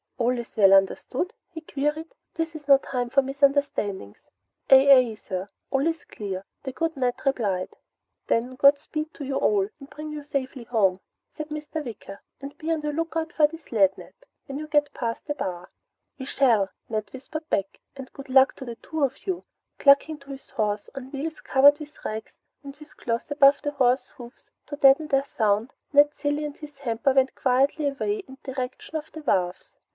"All is well understood?" he queried. "This is no time for misunderstandings!" "Aye aye, sir! All is clear!" the good Ned replied. "Then Godspeed to you all and bring you safely home," said Mr. Wicker. "Be on the lookout for this lad, Ned, when you get past the bar." "We shall," Ned whispered back, "and good luck to the two of ye!" Clucking to his horse, on wheels covered with rags, and with cloths about the horse's hoofs to deaden their sound, Ned Cilley and his hamper went quietly away in the direction of the wharfs.